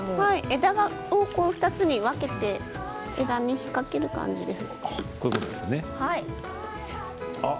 枝を２つに分けて枝に引っ掛ける感じです。